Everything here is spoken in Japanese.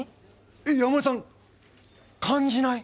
え山根さん感じない？